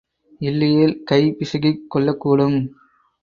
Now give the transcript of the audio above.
இல்லையேல் கை பிசகிக் கொள்ளக்கூடும்.